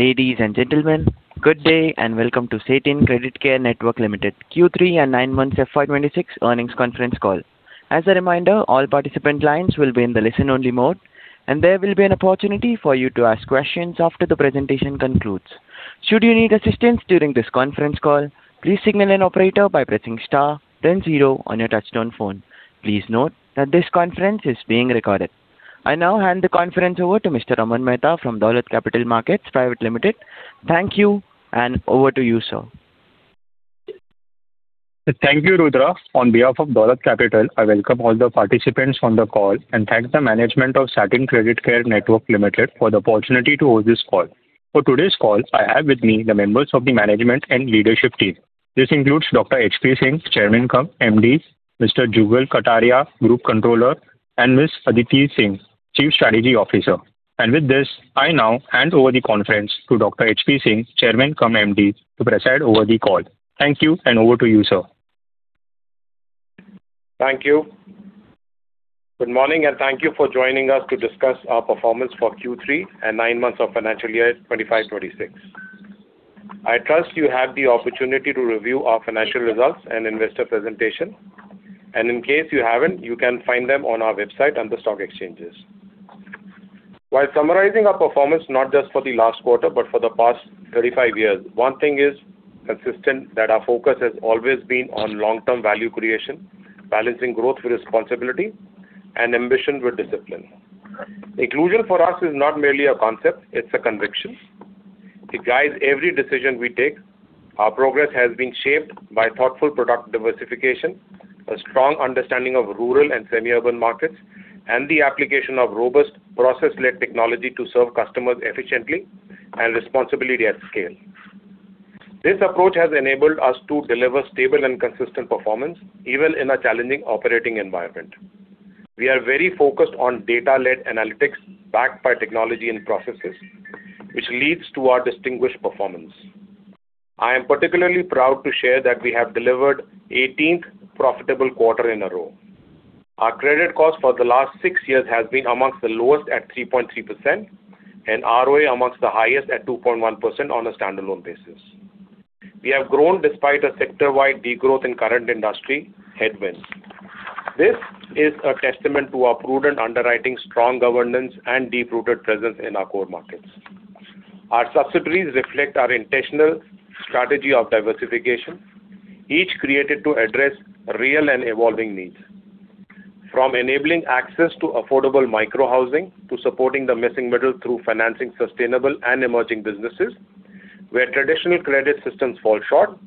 Ladies and gentlemen, good day and welcome to Satin Creditcare Network Limited, Q3 and nine months FY 2026 earnings conference call. As a reminder, all participant lines will be in the listen-only mode, and there will be an opportunity for you to ask questions after the presentation concludes. Should you need assistance during this conference call, please signal an operator by pressing star, then zero on your touch-tone phone. Please note that this conference is being recorded. I now hand the conference over to Mr. Raman Mehta from Dolat Capital Market Private Limited. Thank you, and over to you, sir. Thank you, Rudra. On behalf of Dolat Capital, I welcome all the participants on the call and thank the management of Satin Creditcare Network Limited for the opportunity to host this call. For today's call, I have with me the members of the management and leadership team. This includes Dr. H. P. Singh, Chairman and Managing Director, Mr. Jugal Kataria, Group Controller, and Ms. Aditi Singh, Chief Strategy Officer. With this, I now hand over the conference to Dr. HP Singh, Chairman and Managing Director, to preside over the call. Thank you, and over to you, sir. Thank you. Good morning, and thank you for joining us to discuss our performance for Q3 and nine months of financial year 2025-2026. I trust you have the opportunity to review our financial results and investor presentation. In case you haven't, you can find them on our website and the stock exchanges. While summarizing our performance, not just for the last quarter, but for the past 35 years, one thing is consistent that our focus has always been on long-term value creation, balancing growth with responsibility and ambition with discipline. Inclusion for us is not merely a concept. It's a conviction. It guides every decision we take. Our progress has been shaped by thoughtful product diversification, a strong understanding of rural and semi-urban markets, and the application of robust process-led technology to serve customers efficiently and responsibly at scale. This approach has enabled us to deliver stable and consistent performance even in a challenging operating environment. We are very focused on data-led analytics backed by technology and processes, which leads to our distinguished performance. I am particularly proud to share that we have delivered the 18th profitable quarter in a row. Our credit cost for the last six years has been among the lowest at 3.3%, and ROA among the highest at 2.1% on a standalone basis. We have grown despite a sector-wide degrowth in current industry headwinds. This is a testament to our prudent underwriting, strong governance, and deep-rooted presence in our core markets. Our subsidiaries reflect our intentional strategy of diversification, each created to address real and evolving needs. From enabling access to affordable micro-housing to supporting the missing middle through financing sustainable and emerging businesses, where traditional credit systems fall short,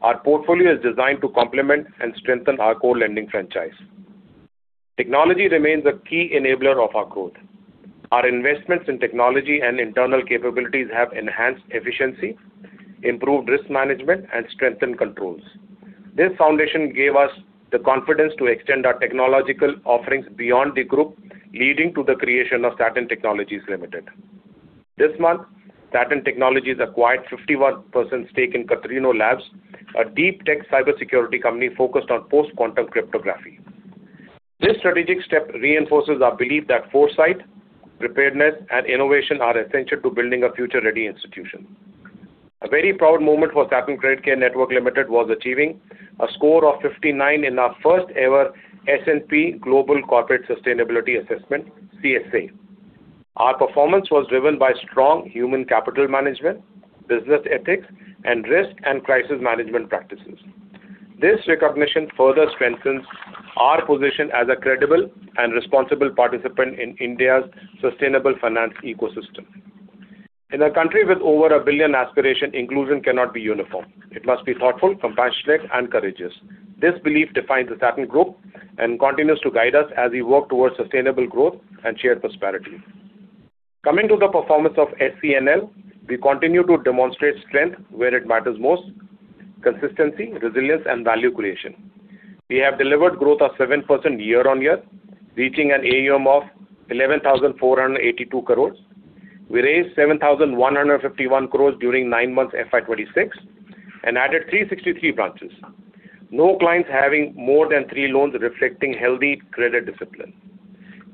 our portfolio is designed to complement and strengthen our core lending franchise. Technology remains a key enabler of our growth. Our investments in technology and internal capabilities have enhanced efficiency, improved risk management, and strengthened controls. This foundation gave us the confidence to extend our technological offerings beyond the group, leading to the creation of Satin Technologies Limited. This month, Satin Technologies acquired a 51% stake in Qtrino Labs, a deep tech cybersecurity company focused on post-quantum cryptography. This strategic step reinforces our belief that foresight, preparedness, and innovation are essential to building a future-ready institution. A very proud moment for Satin Creditcare Network Limited was achieving a score of 59 in our first-ever S&P Global Corporate Sustainability Assessment, CSA. Our performance was driven by strong human capital management, business ethics, and risk and crisis management practices. This recognition further strengthens our position as a credible and responsible participant in India's sustainable finance ecosystem. In a country with over a billion aspirations, inclusion cannot be uniform. It must be thoughtful, compassionate, and courageous. This belief defines the Satin Group and continues to guide us as we work towards sustainable growth and shared prosperity. Coming to the performance of SCNL, we continue to demonstrate strength where it matters most: consistency, resilience, and value creation. We have delivered growth of 7% year-on-year, reaching an AUM of 11,482 crores. We raised 7,151 crores during nine months FY 2026 and added 363 branches, no clients having more than three loans reflecting healthy credit discipline.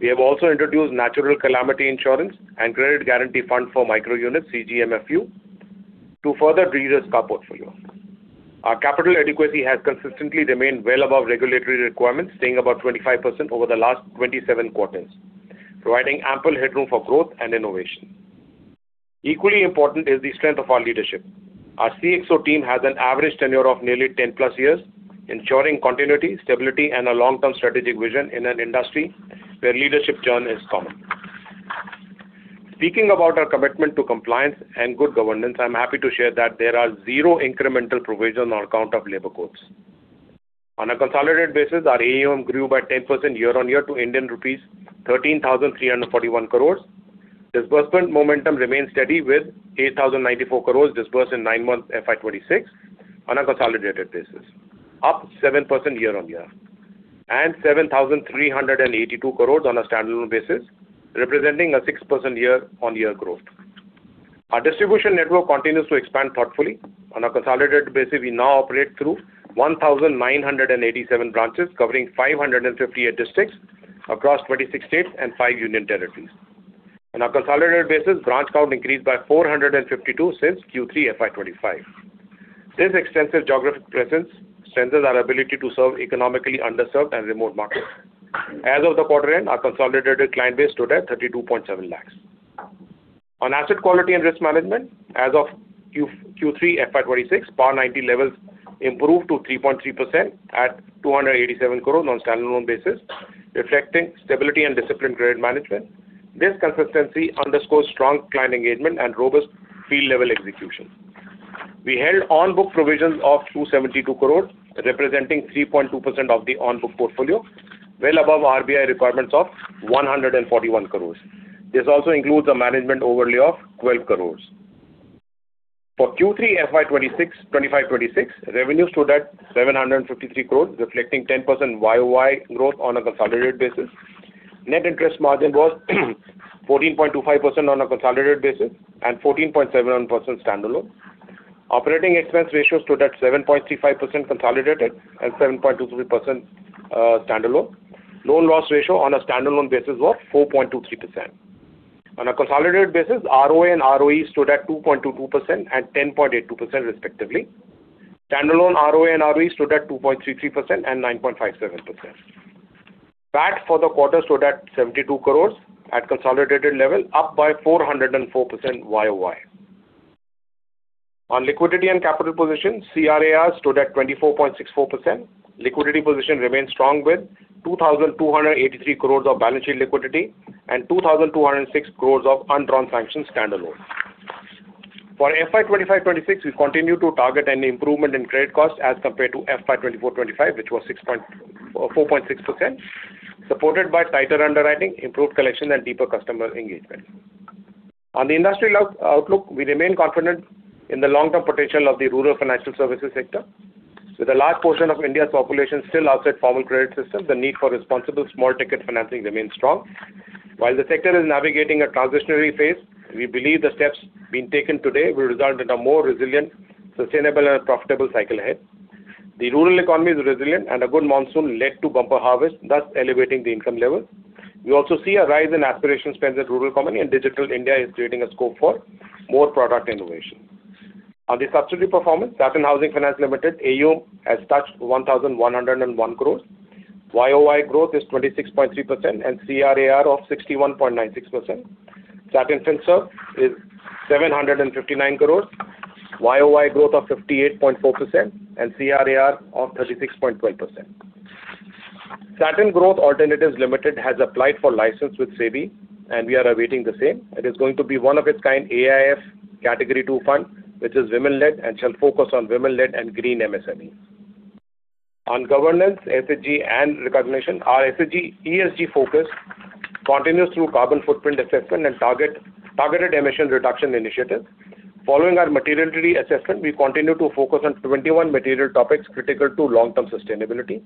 We have also introduced natural calamity insurance and credit guarantee fund for micro-units, CGFMU, to further reduce our portfolio. Our capital adequacy has consistently remained well above regulatory requirements, staying about 25% over the last 27 quarters, providing ample headroom for growth and innovation. Equally important is the strength of our leadership. Our CXO team has an average tenure of nearly 10+ years, ensuring continuity, stability, and a long-term strategic vision in an industry where leadership churn is common. Speaking about our commitment to compliance and good governance, I'm happy to share that there are zero incremental provisions on account of labor codes. On a consolidated basis, our AUM grew by 10% year-on-year to Indian rupees 13,341 crores. Disbursement momentum remained steady with 8,094 crores disbursed in nine months FY 2026 on a consolidated basis, up 7% year-on-year, and 7,382 crores on a standalone basis, representing a 6% year-on-year growth. Our distribution network continues to expand thoughtfully. On a consolidated basis, we now operate through 1,987 branches covering 558 districts across 26 states and 5 union territories. On a consolidated basis, branch count increased by 452 since Q3 FY 2025. This extensive geographic presence strengthens our ability to serve economically underserved and remote markets. As of the quarter end, our consolidated client base stood at 32.7 lakhs. On asset quality and risk management, as of Q3 FY 2026, PAR 90 levels improved to 3.3% at 287 crores on a standalone basis, reflecting stability and disciplined credit management. This consistency underscores strong client engagement and robust field-level execution. We held on-book provisions of 272 crores, representing 3.2% of the on-book portfolio, well above RBI requirements of 141 crores. This also includes a management overlay of 12 crores. For Q3 FY 2026, revenues stood at 753 crores, reflecting 10% YOY growth on a consolidated basis. Net interest margin was 14.25% on a consolidated basis and 14.71% standalone. Operating expense ratio stood at 7.35% consolidated and 7.23% standalone. Loan loss ratio on a standalone basis was 4.23%. On a consolidated basis, ROA and ROE stood at 2.22% and 10.82% respectively. Standalone ROA and ROE stood at 2.33% and 9.57%. PAT for the quarter stood at 72 crore at consolidated level, up by 404% YOY. On liquidity and capital position, CRAR stood at 24.64%. Liquidity position remained strong with 2,283 crore of balance sheet liquidity and 2,206 crore of undrawn sanctions standalone. For FY 2025-2026, we continued to target an improvement in credit costs as compared to FY 2024-2025, which was 4.6%, supported by tighter underwriting, improved collection, and deeper customer engagement. On the industry outlook, we remain confident in the long-term potential of the rural financial services sector. With a large portion of India's population still outside formal credit system, the need for responsible small-ticket financing remains strong. While the sector is navigating a transitionary phase, we believe the steps being taken today will result in a more resilient, sustainable, and profitable cycle ahead. The rural economy is resilient, and a good monsoon led to bumper harvest, thus elevating the income level. We also see a rise in aspiration spend in rural communities, and Digital India is creating a scope for more product innovation. On the subsidiary performance, Satin Housing Finance Limited AUM has touched 1,101 crores. YOY growth is 26.3% and CRAR of 61.96%. Satin Finserv is 759 crores. YOY growth of 58.4% and CRAR of 36.12%. Satin Growth Alternatives Limited has applied for license with SEBI, and we are awaiting the same. It is going to be one of a kind, AIF Category II fund, which is women-led and shall focus on women-led and green MSMEs. On governance, SHG, and recognition, our SHG ESG focus continues through carbon footprint assessment and targeted emission reduction initiatives. Following our material tree assessment, we continue to focus on 21 material topics critical to long-term sustainability.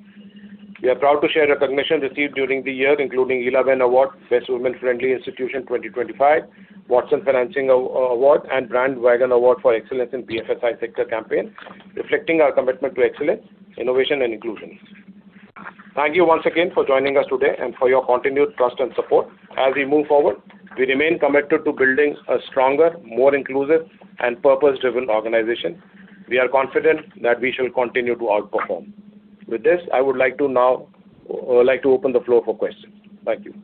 We are proud to share recognition received during the year, including Elaben Award, Best Women-Friendly Institution 2025, WATSUN Financing Award, and BrandWagon Award for excellence in BFSI sector campaign, reflecting our commitment to excellence, innovation, and inclusion. Thank you once again for joining us today and for your continued trust and support. As we move forward, we remain committed to building a stronger, more inclusive, and purpose-driven organization. We are confident that we shall continue to outperform. With this, I would like to now open the floor for questions. Thank you.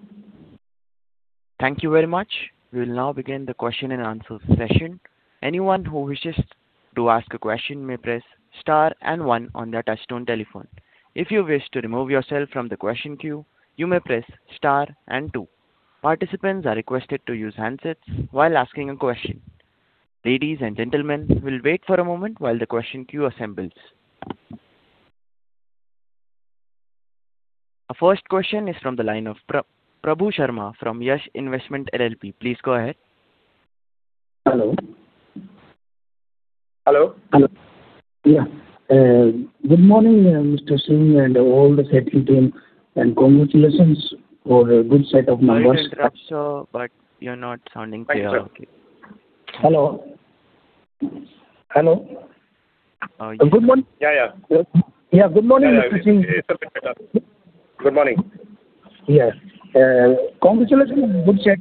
Thank you very much. We will now begin the question-and-answer session. Anyone who wishes to ask a question may press star and one on their touch-tone telephone. If you wish to remove yourself from the question queue, you may press star and two. Participants are requested to use handsets while asking a question. Ladies and gentlemen, we'll wait for a moment while the question queue assembles. Our first question is from the line of Prabhu Sharma from Yash Investment LLP. Please go ahead. Hello. Hello. Hello. Yeah. Good morning, Mr. Singh and all the Satin team. Congratulations for a good set of numbers. I hear your throat, sir, but you're not sounding clear. Hello. Hello. Good morning. Yeah, yeah. Yeah, good morning, Mr. Singh. Good morning. Yes. Congratulations, good set.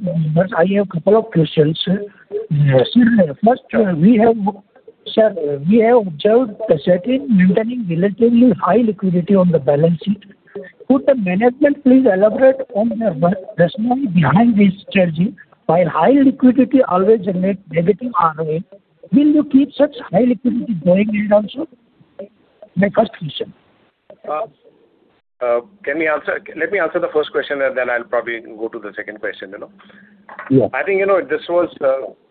I have a couple of questions. First, we have observed Satin maintaining relatively high liquidity on the balance sheet. Could the management please elaborate on the rationale behind this strategy? While high liquidity always generates negative ROA, will you keep such high liquidity going in the long term? My first question. Can we answer? Let me answer the first question, and then I'll probably go to the second question. I think this was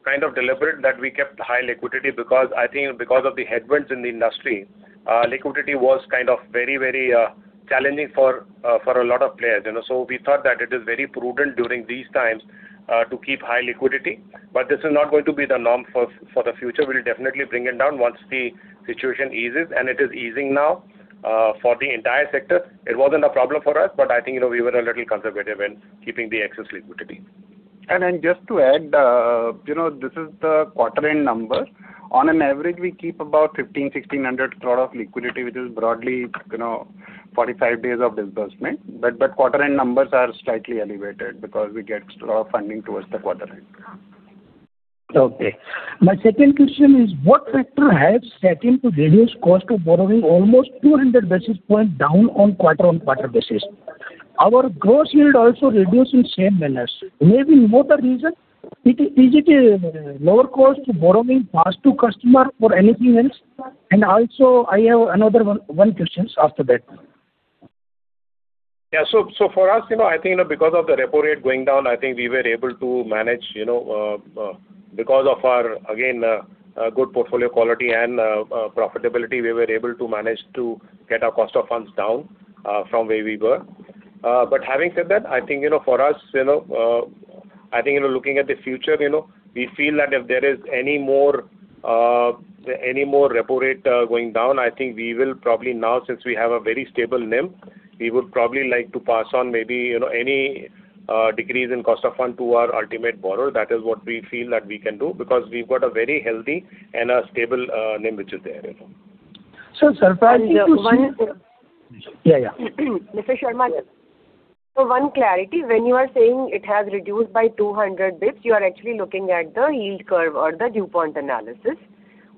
kind of deliberate that we kept high liquidity because I think because of the headwinds in the industry, liquidity was kind of very, very challenging for a lot of players. So we thought that it is very prudent during these times to keep high liquidity. But this is not going to be the norm for the future. We'll definitely bring it down once the situation eases, and it is easing now for the entire sector. It wasn't a problem for us, but I think we were a little conservative in keeping the excess liquidity. Just to add, this is the quarter-end number. On an average, we keep about 1,500-1,600 crore of liquidity, which is broadly 45 days of disbursement. But quarter-end numbers are slightly elevated because we get a lot of funding towards the quarter-end. Okay. My second question is, what factor has led Satin to reduce cost of borrowing almost 200 basis points down on quarter-over-quarter basis? Our gross yield also reduced in the same manner. Maybe more the reason? Is it lower cost borrowing passed to customer or anything else? And also, I have another one question after that. Yeah. So for us, I think because of the Repo rate going down, I think we were able to manage because of our, again, good portfolio quality and profitability, we were able to manage to get our cost of funds down from where we were. But having said that, I think for us, I think looking at the future, we feel that if there is any more Repo rate going down, I think we will probably now, since we have a very stable NIM, we would probably like to pass on maybe any decrease in cost of fund to our ultimate borrower. That is what we feel that we can do because we've got a very healthy and a stable NIM, which is there. Sir, surprisingly, one. Yeah, yeah. Mr. Sharma, just for one clarity, when you are saying it has reduced by 200 basis points, you are actually looking at the yield curve or the DuPont analysis.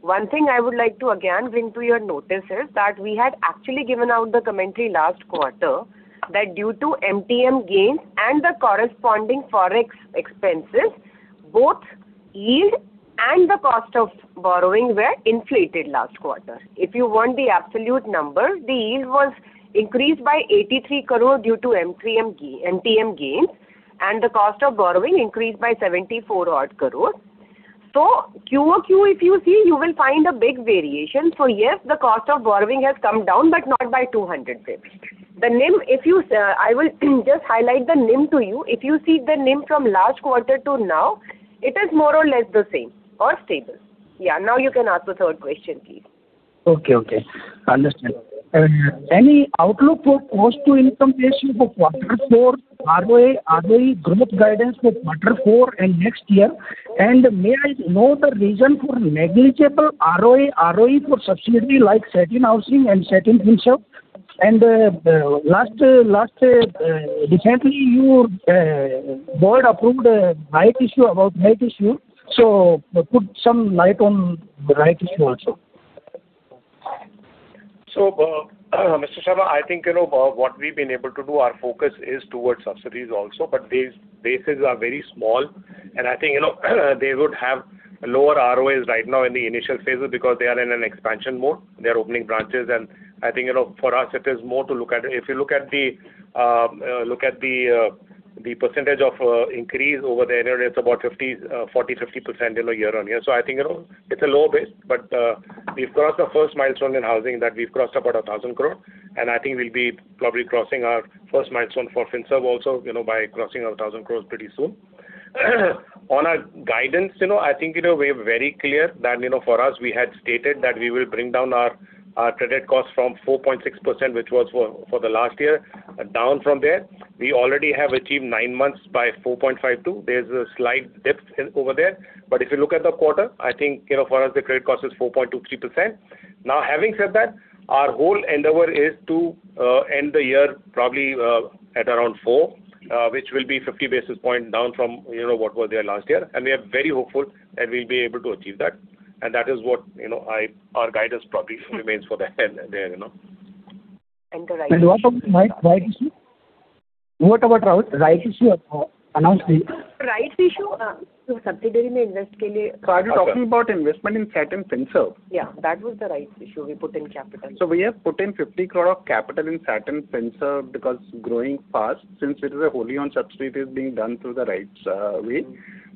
One thing I would like to again bring to your notice is that we had actually given out the commentary last quarter that due to MTM gains and the corresponding forex expenses, both yield and the cost of borrowing were inflated last quarter. If you want the absolute number, the yield was increased by 83 crore due to MTM gains, and the cost of borrowing increased by 74 odd crore. So QOQ, if you see, you will find a big variation. So yes, the cost of borrowing has come down, but not by 200 basis points. The NIM, if you see, I will just highlight the NIM to you. If you see the NIM from last quarter to now, it is more or less the same or stable. Yeah. Now you can ask the third question, please. Okay, okay. Understood. Any outlook for cost-to-income ratio for quarter four, ROA, ROE, growth guidance for quarter four and next year? And may I know the reason for negligible ROA, ROE for subsidiaries like Satin Housing and Satin Finserv? And most recently, your board approved a rights issue about rights issue. So throw some light on rights issue also. So Mr. Sharma, I think what we've been able to do, our focus is towards subsidiaries also, but these businesses are very small. And I think they would have lower ROAs right now in the initial phase because they are in an expansion mode. They are opening branches. And I think for us, it is more to look at if you look at the percentage of increase over the year, it's about 40%-50% year-on-year. I think it's a low base, but we've crossed the first milestone in housing that we've crossed about 1,000 crore. And I think we'll be probably crossing our first milestone for FinServ also by crossing 1,000 crore pretty soon. On our guidance, I think we're very clear that for us, we had stated that we will bring down our credit cost from 4.6%, which was for the last year, down from there. We already have achieved nine months by 4.52. There's a slight dip over there. But if you look at the quarter, I think for us, the credit cost is 4.23%. Now, having said that, our whole endeavor is to end the year probably at around 4%, which will be 50 basis points down from what was there last year. And we are very hopeful that we'll be able to achieve that. That is what our guidance probably remains for there. The right issue? What about ROE? Rights issue announced? Rights issue? Subsidiary may invest for you. Are you talking about investment in Satin Finserv? Yeah. That was the right issue we put in capital. So we have put in 50 crore of capital in Satin Finserv because growing fast, since it is a wholly-owned subsidiary, it is being done through the right way.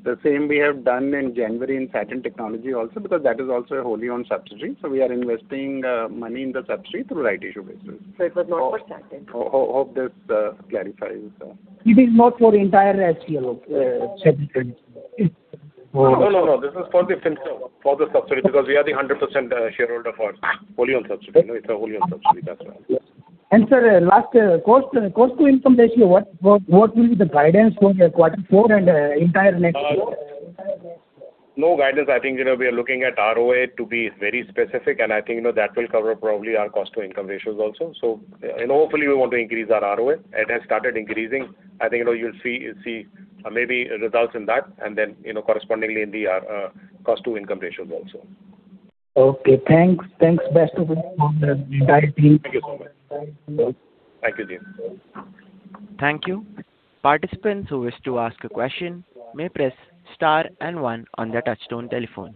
The same we have done in January in Satin Technologies also because that is also a wholly-owned subsidiary. So we are investing money in the subsidiary through rights issue basis. It was not for Satin. Hope this clarifies. You mean not for the entire Satin? No, no, no. This is for the FinServ, for the subsidiary because we are the 100% shareholder for wholly-owned subsidiary. It's a wholly-owned subsidiary that's why. And sir, last cost to income ratio, what will be the guidance for quarter four and entire next year? No guidance. I think we are looking at ROA to be very specific, and I think that will cover probably our cost to income ratios also. So hopefully, we want to increase our ROA. It has started increasing. I think you'll see maybe results in that and then correspondingly in the cost to income ratios also. Okay. Thanks. Thanks, best of luck on the entire team. Thank you so much. Thank you, Jim. Thank you. Participants who wish to ask a question may press star and one on their touch-tone telephone.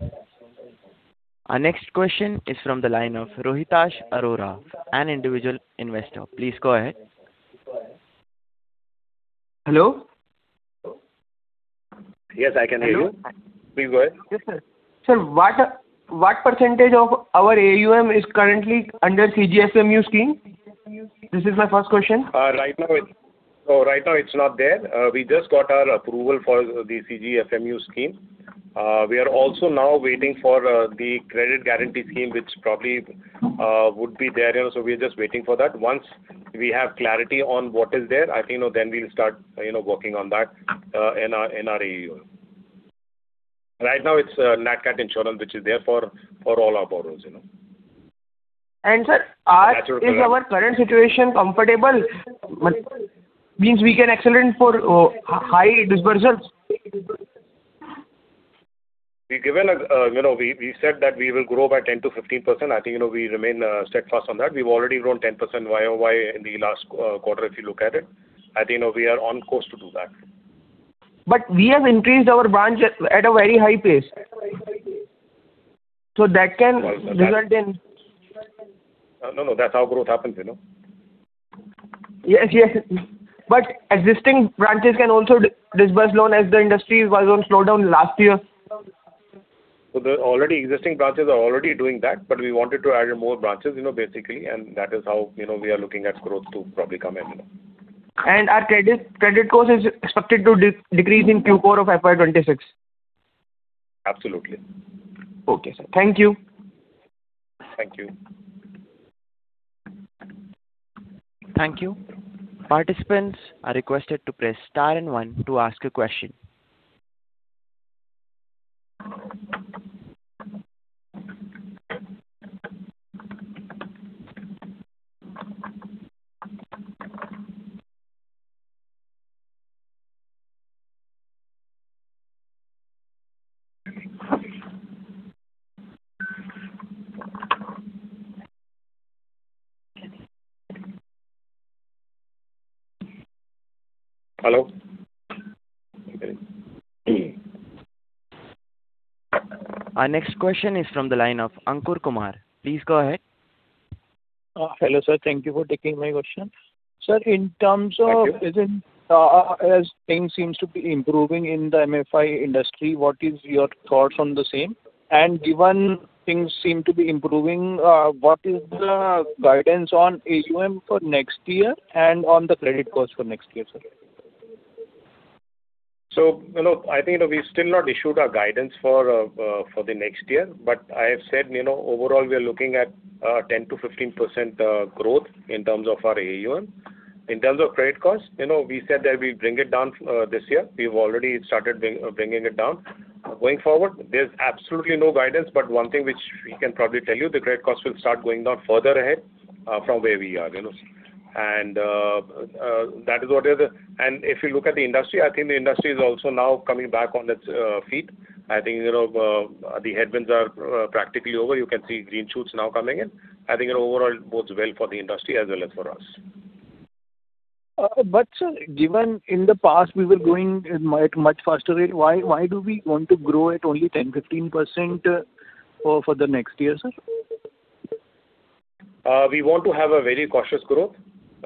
Our next question is from the line of Rohitash Arora, an individual investor. Please go ahead. Hello? Yes, I can hear you. Please go ahead. Yes, sir. Sir, what percentage of our AUM is currently under CGFMU scheme? This is my first question. Right now, it's not there. We just got our approval for the CGFMU scheme. We are also now waiting for the credit guarantee scheme, which probably would be there. We are just waiting for that. Once we have clarity on what is there, I think then we'll start working on that in our AUM. Right now, it's NatCat insurance, which is there for all our borrowers. Sir, is our current situation comfortable? Means we can excel for high disbursals? We said that we will grow by 10%-15%. I think we remain steadfast on that. We've already grown 10% YOY in the last quarter if you look at it. I think we are on course to do that. But we have increased our branch at a very high pace. So that can result in. No, no. That's how growth happens. Yes, yes. But existing branches can also disburse loan as the industry was on slowdown last year. The already existing branches are already doing that, but we wanted to add more branches basically, and that is how we are looking at growth to probably come in. Our credit cost is expected to decrease in Q4 of FY 2026? Absolutely. Okay, sir. Thank you. Thank you. Thank you. Participants are requested to press star and one to ask a question. Hello? Our next question is from the line of Ankur Kumar. Please go ahead. Hello, sir. Thank you for taking my question. Sir, in terms of as things seem to be improving in the MFI industry, what is your thoughts on the same? And given things seem to be improving, what is the guidance on AUM for next year and on the credit cost for next year, sir? So, I think we've still not issued our guidance for the next year, but I have said overall we are looking at 10%-15% growth in terms of our AUM. In terms of credit cost, we said that we'll bring it down this year. We've already started bringing it down. Going forward, there's absolutely no guidance, but one thing which we can probably tell you: the credit cost will start going down further ahead from where we are. And that is what it is, and if you look at the industry, I think the industry is also now coming back on its feet. I think the headwinds are practically over. You can see green shoots now coming in. I think overall it bodes well for the industry as well as for us. But sir, given in the past we were going at much faster rate, why do we want to grow at only 10%-15% for the next year, sir? We want to have a very cautious growth.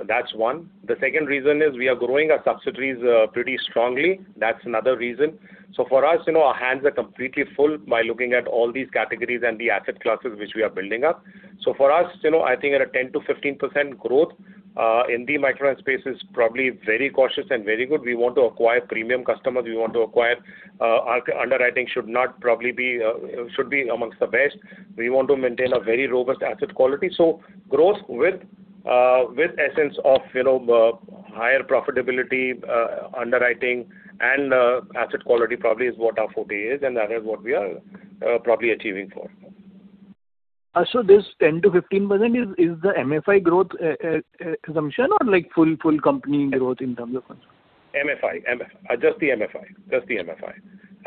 That's one. The second reason is we are growing our subsidies pretty strongly. That's another reason. So for us, our hands are completely full by looking at all these categories and the asset classes which we are building up. So for us, I think at a 10%-15% growth in the microfinance space is probably very cautious and very good. We want to acquire premium customers. We want to acquire our underwriting should not probably be should be amongst the best. We want to maintain a very robust asset quality. So growth with essence of higher profitability, underwriting, and asset quality probably is what our forte is, and that is what we are probably achieving for. This 10%-15% is the MFI growth assumption or full company growth in terms of? MFI. Just the MFI. Just the MFI.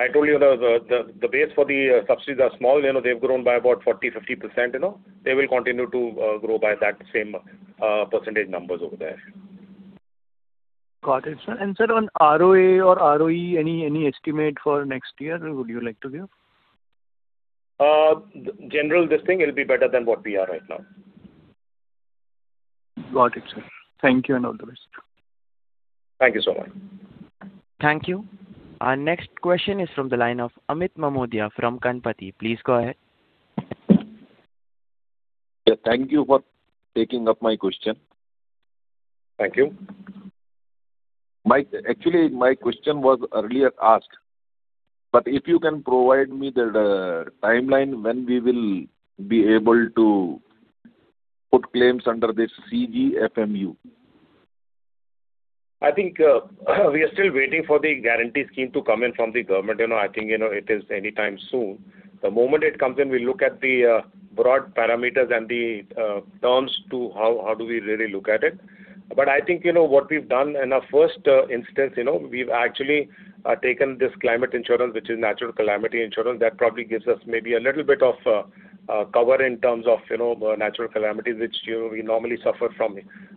I told you the base for the subsidies are small. They've grown by about 40%-50%. They will continue to grow by that same percentage numbers over there. Got it, sir. And sir, on ROA or ROE, any estimate for next year would you like to give? General, this thing, it'll be better than what we are right now. Got it, sir. Thank you and all the best. Thank you so much. Thank you. Our next question is from the line of Amit Mamodia from Ganpati. Please go ahead. Yeah. Thank you for taking up my question. Thank you. Actually, my question was earlier asked, but if you can provide me the timeline when we will be able to put claims under this CGFMU? I think we are still waiting for the guarantee scheme to come in from the government. I think it is anytime soon. The moment it comes in, we'll look at the broad parameters and the terms to how do we really look at it. But I think what we've done in our first instance, we've actually taken this climate insurance, which is natural calamity insurance. That probably gives us maybe a little bit of cover in terms of natural calamities, which we normally suffer from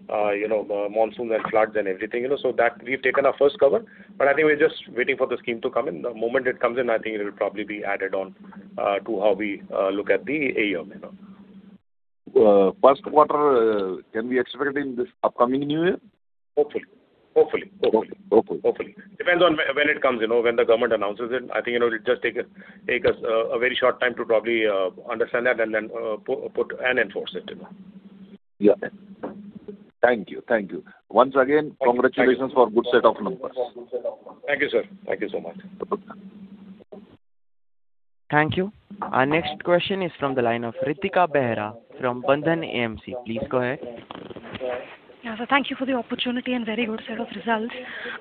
monsoons and floods and everything. So we've taken our first cover, but I think we're just waiting for the scheme to come in. The moment it comes in, I think it will probably be added on to how we look at the AUM. First quarter, can we expect it in this upcoming new year? Hopefully. Depends on when it comes, when the government announces it. I think it'll just take us a very short time to probably understand that and then put and enforce it. Yeah. Thank you. Thank you. Once again, congratulations for good set of numbers. Thank you, sir. Thank you so much. Thank you. Our next question is from the line of Ritika Behera from Bandhan AMC. Please go ahead. Yeah. So thank you for the opportunity and very good set of results.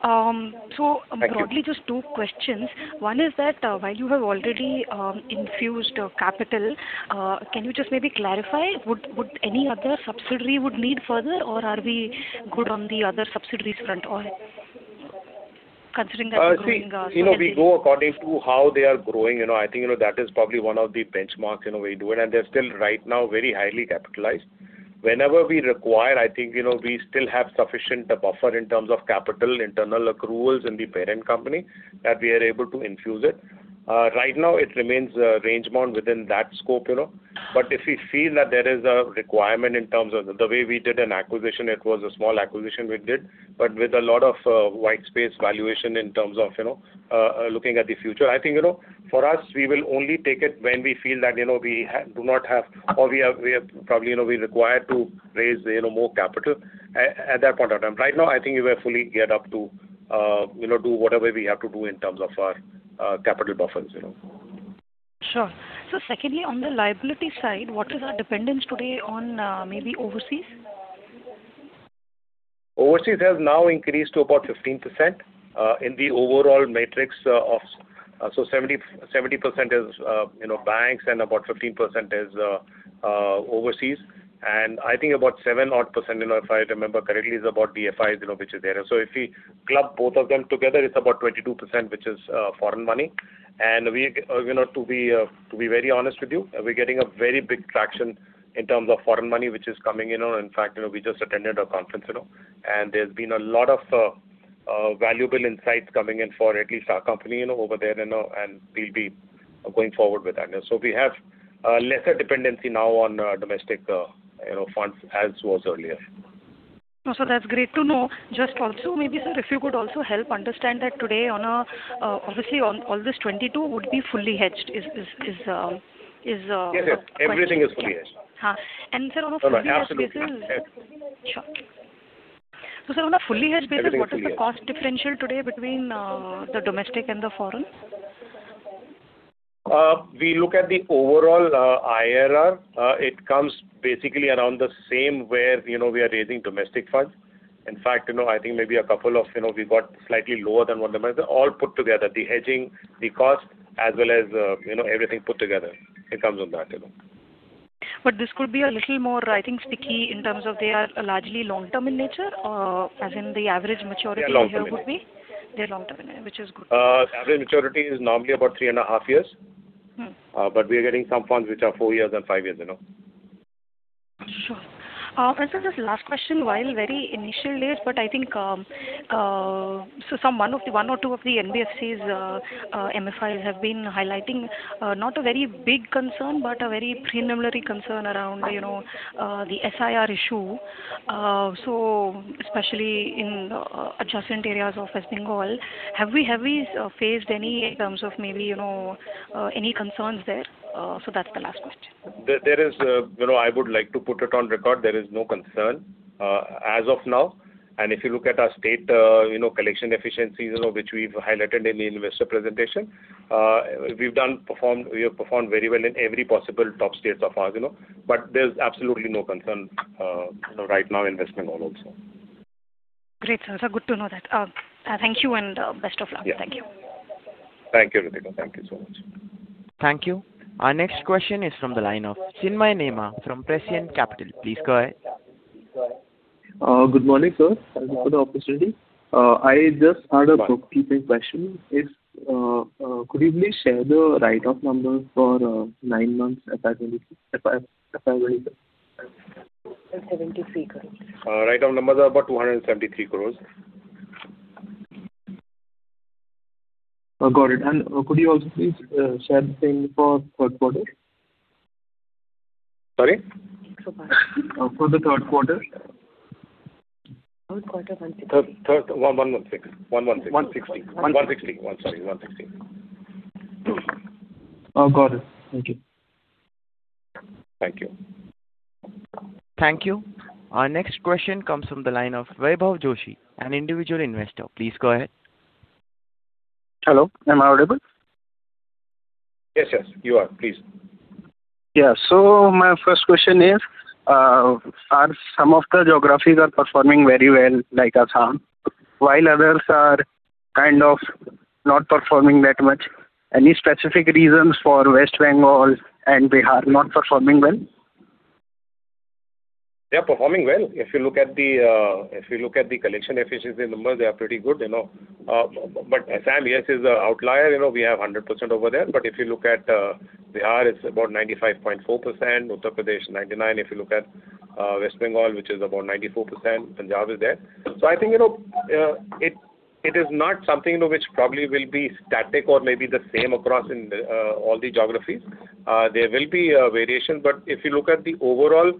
Broadly, just two questions. One is that while you have already infused capital, can you just maybe clarify what any other subsidiary would need further, or are we good on the other subsidiaries front or considering that we're growing? We go according to how they are growing. I think that is probably one of the benchmarks we do it. They're still right now very highly capitalized. Whenever we require, I think we still have sufficient buffer in terms of capital, internal accruals in the parent company that we are able to infuse it. Right now, it remains rangebound within that scope. But if we feel that there is a requirement in terms of the way we did an acquisition, it was a small acquisition we did, but with a lot of white space valuation in terms of looking at the future. I think for us, we will only take it when we feel that we do not have or we are probably required to raise more capital at that point of time. Right now, I think we will fully get up to do whatever we have to do in terms of our capital buffers. Sure. So secondly, on the liability side, what is our dependence today on maybe overseas? Overseas has now increased to about 15% in the overall mix, so 70% is banks and about 15% is overseas. I think about seven-odd percent, if I remember correctly, is about DFIs, which is there. So if we club both of them together, it's about 22%, which is foreign money. To be very honest with you, we're getting a very big traction in terms of foreign money, which is coming in. In fact, we just attended a conference, and there's been a lot of valuable insights coming in for at least our company over there, and we'll be going forward with that. We have lesser dependency now on domestic funds as was earlier. So that's great to know. Just also maybe, sir, if you could also help understand that today, obviously, all this 22 would be fully hedged. Yes, sir. Everything is fully hedged. Sir, on a fully hedged basis. Absolutely. Sure. So, sir, on a fully hedged basis, what is the cost differential today between the domestic and the foreign? We look at the overall IRR. It comes basically around the same where we are raising domestic funds. In fact, I think maybe a couple of we got slightly lower than what the all put together, the hedging, the cost, as well as everything put together. It comes on that. This could be a little more, I think, sticky in terms of they are largely long-term in nature, as in the average maturity would be? They're long-term. They're long-term, which is good. Average maturity is normally about 3.5 years, but we are getting some funds which are four years and five years. Sure. And sir, just last question while very initial days, but I think one or two of the NBFC's MFIs have been highlighting not a very big concern, but a very preliminary concern around the SRO issue, especially in adjacent areas of West Bengal. Have we faced any in terms of maybe any concerns there? So that's the last question. I would like to put it on record. There is no concern as of now. If you look at our state collection efficiencies, which we've highlighted in the investor presentation, we've performed very well in every possible top states of ours. There's absolutely no concern right now in West Bengal also. Great, sir. So good to know that. Thank you and best of luck. Thank you. Thank you, Rithika. Thank you so much. Thank you. Our next question is from the line of Chinmay Nema from Prescient Capital. Please go ahead. Good morning, sir. Thank you for the opportunity. I just had a bookkeeping question. Could you please share the write-off numbers for nine months FY 2026? Right. INR 73 crores. Write-off numbers are about INR 273 crore. Got it. Could you also please share the same for third quarter? Sorry? For the third quarter. Third quarter, 160. Third, 116. 116. 160. 160. Sorry. 160. Got it. Thank you. Thank you. Thank you. Our next question comes from the line of Vaibhav Joshi, an individual investor. Please go ahead. Hello. Am I audible? Yes, yes. You are. Please. Yeah. So my first question is, are some of the geographies are performing very well like Assam, while others are kind of not performing that much? Any specific reasons for West Bengal and Bihar not performing well? They are performing well. If you look at the collection efficiency numbers, they are pretty good. But Assam is the outlier. We have 100% over there. But if you look at Bihar, it's about 95.4%. Uttar Pradesh, 99%. If you look at West Bengal, which is about 94%, Punjab is there. So I think it is not something which probably will be static or maybe the same across all the geographies. There will be a variation. But if you look at the overall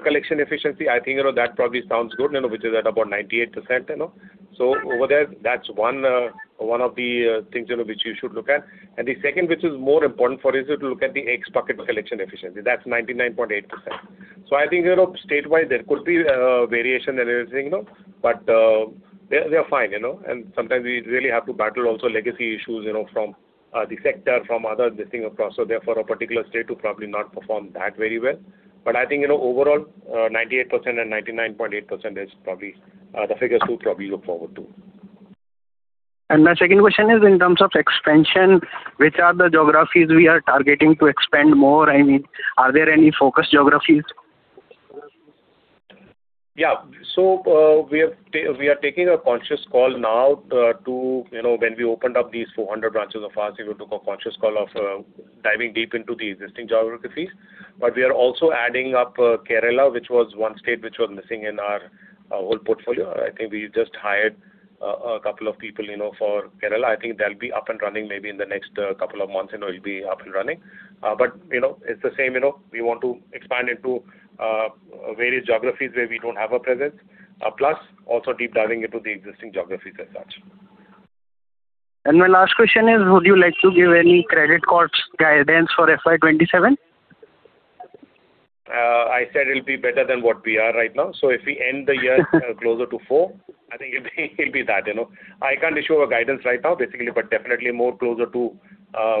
collection efficiency, I think that probably sounds good, which is at about 98%. So over there, that's one of the things which you should look at. And the second, which is more important for us, is to look at the X-bucket collection efficiency. That's 99.8%. So I think statewide, there could be a variation in everything, but they are fine. Sometimes we really have to battle also legacy issues from the sector, from other districts across. Therefore, a particular state would probably not perform that very well. But I think overall, 98% and 99.8% is probably the figures to probably look forward to. My second question is in terms of expansion, which are the geographies we are targeting to expand more? I mean, are there any focus geographies? Yeah. So we are taking a conscious call now to when we opened up these 400 branches of ours, we took a conscious call of diving deep into the existing geographies. But we are also adding up Kerala, which was one state which was missing in our whole portfolio. I think we just hired a couple of people for Kerala. I think they'll be up and running maybe in the next couple of months. It'll be up and running. But it's the same. We want to expand into various geographies where we don't have a presence, plus also deep diving into the existing geographies as such. My last question is, would you like to give any credit cards guidance for FY 2027? I said it'll be better than what we are right now. So if we end the year closer to four, I think it'll be that. I can't issue a guidance right now, basically, but definitely more closer to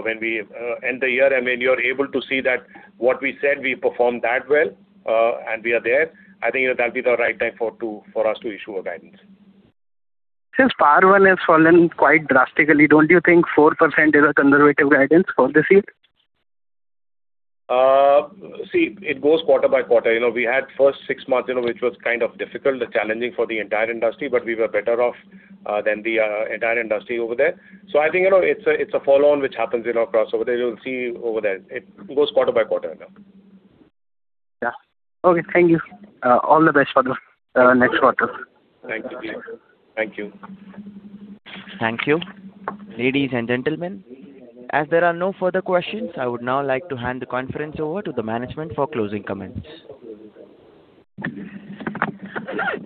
when we end the year. And when you're able to see that what we said, we performed that well and we are there, I think that'll be the right time for us to issue a guidance. Since PAR, well, has fallen quite drastically, don't you think 4% is a conservative guidance for the seed? See, it goes quarter by quarter. We had first six months, which was kind of difficult, challenging for the entire industry, but we were better off than the entire industry over there. So I think it's a follow-on which happens across over there. You'll see over there. It goes quarter by quarter now. Yeah. Okay. Thank you. All the best for the next quarter. Thank you. Thank you. Thank you. Ladies and gentlemen, as there are no further questions, I would now like to hand the conference over to the management for closing comments.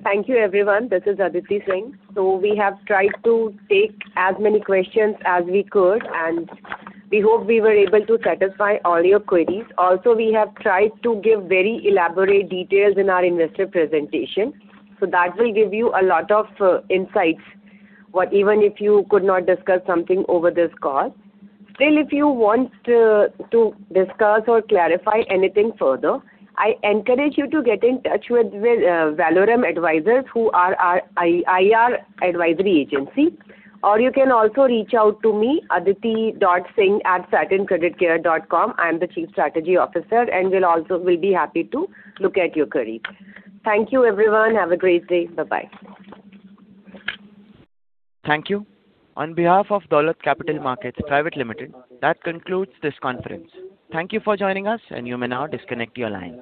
Thank you, everyone. This is Aditi Singh. So we have tried to take as many questions as we could, and we hope we were able to satisfy all your queries. Also, we have tried to give very elaborate details in our investor presentation. So that will give you a lot of insights, even if you could not discuss something over this call. Still, if you want to discuss or clarify anything further, I encourage you to get in touch with Valorem Advisors, who are our IR advisory agency. Or you can also reach out to me, aditi.singh@satincreditcare.com. I'm the Chief Strategy Officer, and we'll be happy to look at your query. Thank you, everyone. Have a great day. Bye-bye. Thank you. On behalf of Dolat Capital Market Private Limited, that concludes this conference. Thank you for joining us, and you may now disconnect your line.